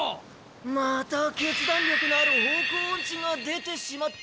また決断力のある方向オンチが出てしまった。